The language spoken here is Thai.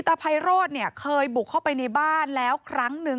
ไพโรธเนี่ยเคยบุกเข้าไปในบ้านแล้วครั้งหนึ่ง